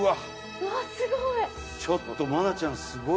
うわっすごい！